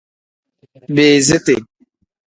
Biiziti.